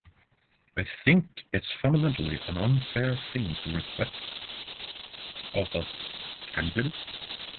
I think it's fundamentally an unfair thing to request of a candidate.